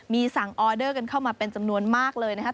มีสั่งออเดอร์กันเข้ามาเป็นจำนวนมากเลยนะครับ